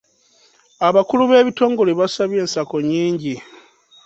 Abakulu b'ebitongole b'asabye ensako nnyingi.